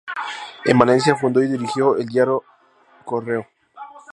En Valencia fundó y dirigió el diario "El Correo".